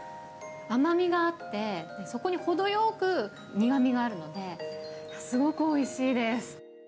甘みがあって、そこに程よく苦みがあるので、すごくおいしいです。